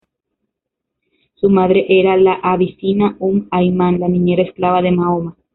Su madre era la abisinia Umm Ayman, la niñera esclava de Mahoma.